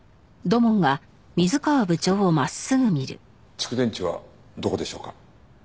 蓄電池はどこでしょうか？